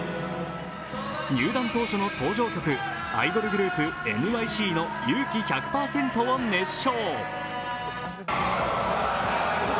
入団当初の登場曲、アイドルグループＮＹＣの「勇気１００％」を熱唱。